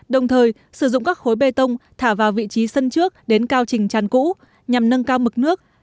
đồng thời sử dụng các khối bê tông thả vào vị trí sân trước đến cao trình tràn cũ nhằm nâng cao mực nước